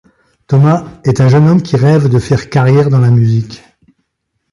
Thomas est un jeune homme qui rêve de faire carrière dans la musique.